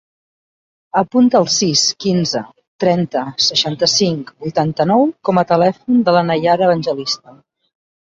Apunta el sis, quinze, trenta, seixanta-cinc, vuitanta-nou com a telèfon de la Naiara Evangelista.